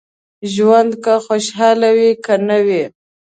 ژوند که خوشاله وي که نه وي.